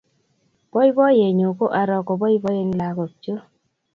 Poipoiyennyu ko aro kopoipoen lagok chuk